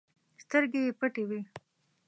سترګې یې پټې وي.